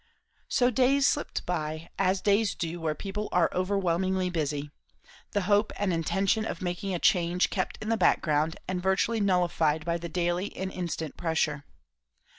So days slipped by, as days do where people are overwhelmingly busy; the hope and intention of making a change kept in the background and virtually nullified by the daily and instant pressure.